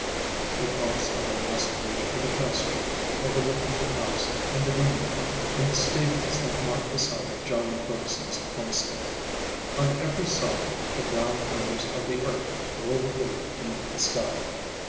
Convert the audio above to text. They paused on the last ridge of the pasture, overlooking the house and the windmill and the stables that marked the site of John Bergson's homestead. On every side the brown waves of the earth rolled away to meet the sky.